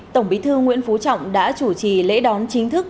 tổng bí thư nguyễn phú trọng đã chủ trì lễ đón chính thức